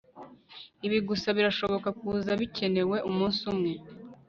ibi gusa birashobora kuza bikenewe umunsi umwe